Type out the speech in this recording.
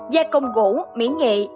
gia công gỗ mỹ nghệ